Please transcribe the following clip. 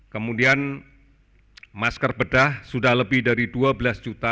kemudian masker bedah sudah lebih dari dua belas juta